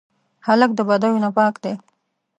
هلک له بدیو نه پاک دی.